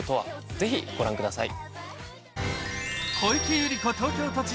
ぜひご覧ください。